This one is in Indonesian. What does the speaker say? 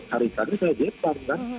hari hari saya jepang